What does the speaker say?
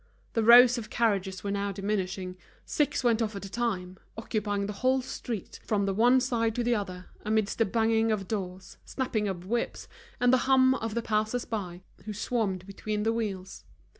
The rows of carriages were now diminishing, six went off at a time, occupying the whole street, from the one side to the other, amidst the banging of doors, snapping of whips, and the hum of the passers by, who swarmed between the wheels.